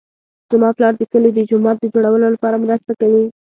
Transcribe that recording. زما پلار د کلي د جومات د جوړولو لپاره مرسته کوي